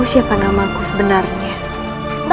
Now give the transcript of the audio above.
kapan dipanggil oleh allah